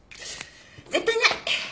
絶対ない。